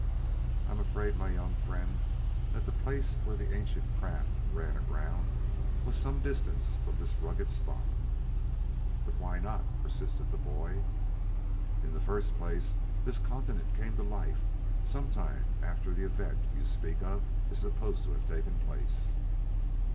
"I am afraid, my young friend, that the place where the ancient craft ran aground was some distance from this rugged spot " "But why not?" persisted the boy. "In the first place, this continent came to life some time after the event you speak of is supposed to have taken place."